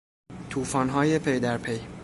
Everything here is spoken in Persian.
توفانهای پی در پی